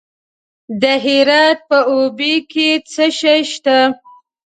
د هرات په اوبې کې څه شی شته؟